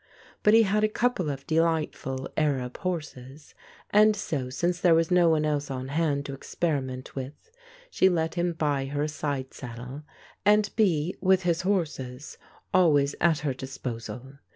But he had a couple of delightful Arab horses, and so, since there was no one else on hand to experiment with, she let him buy her a side saddle, and be, with his horses, always at her dis posal.